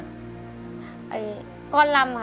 ไอ้ก้อนลำค่ะ